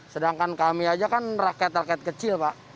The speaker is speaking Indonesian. sedangkan kami aja kan rakyat rakyat kecil pak